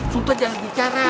sultan jangan bicara